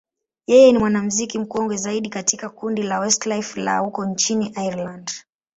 yeye ni mwanamuziki mkongwe zaidi katika kundi la Westlife la huko nchini Ireland.